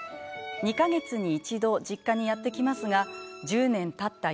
２か月に一度実家にやって来ますが１０年たった